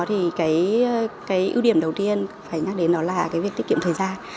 thì cái ưu điểm đầu tiên phải nhắc đến đó là cái việc tiết kiệm thời gian